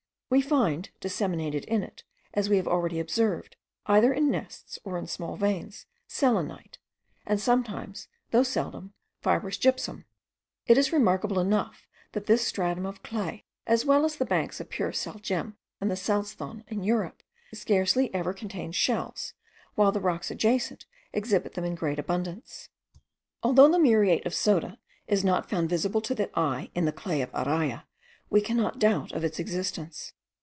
We find disseminated in it, as we have already observed, either in nests or in small veins, selenite, and sometimes, though seldom, fibrous gypsum. It is remarkable enough, that this stratum of clay, as well as the banks of pure sal gem and the salzthon in Europe, scarcely ever contains shells, while the rocks adjacent exhibit them in great abundance. Although the muriate of soda is not found visible to the eye in the clay of Araya, we cannot doubt of its existence.